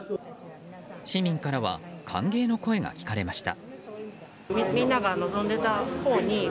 市民からは歓迎の声が聞かれました。